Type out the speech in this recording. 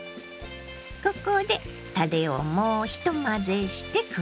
ここでたれをもう一混ぜして加えます。